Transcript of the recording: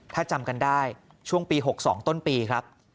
ถ้าจำกันได้ช่วงปี๖๒ต้นปีครับ